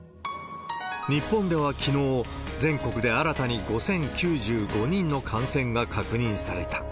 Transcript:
日本ではきのう、全国で新たに５０９５人の感染が確認された。